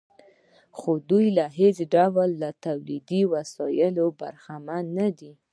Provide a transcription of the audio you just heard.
خو دوی له هېڅ ډول تولیدي وسایلو برخمن نه دي